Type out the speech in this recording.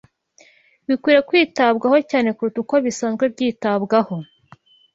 bikwiriye kwitabwaho cyane kuruta uko bisanzwe byitabwaho